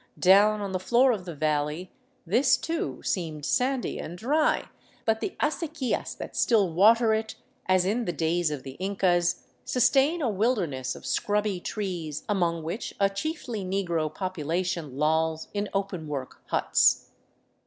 Down on the floor of the valley this, too, seemed sandy and dry, but the aceqiiias that still water it, as in the days of the Incas, sustain a wilderness of scrubby trees, among which a chiefly negro population lolls in open work huts.